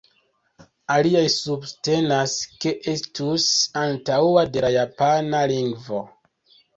Aliaj subtenas ke estus antaŭa de la japana lingvo.